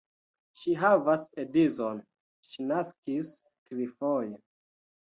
Ŝi havas edzon, ŝi naskis trifoje.